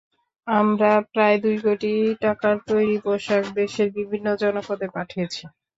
আমরা প্রায় দুই কোটি টাকার তৈরি পোশাক দেশের বিভিন্ন জনপদে পাঠিয়েছি।